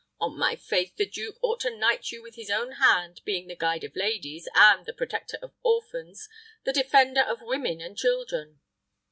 On my faith, the duke ought to knight you with his own hand, being the guide of ladies, and the protector of orphans, the defender of women and children."